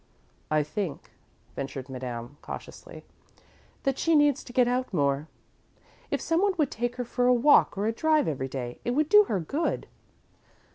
"I think," ventured Madame, cautiously, "that she needs to get out more. If someone would take her for a walk or a drive every day, it would do her good."